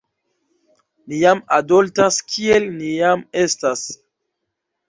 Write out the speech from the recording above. "Ni jam adoltas kiel ni jam estas."